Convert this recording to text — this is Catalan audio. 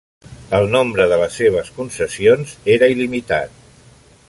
El nombre de les seves concessions era il·limitat.